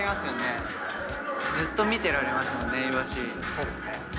そうですね。